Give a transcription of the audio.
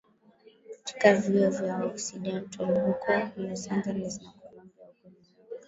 katika vyuo vya Occidental huko Los Angeles na Columbia huko New York